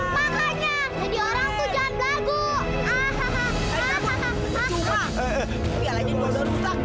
makanya jadi orang tujuan lagu